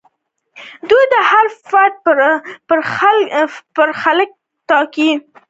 دوی د هر فرد برخلیک ټاکي.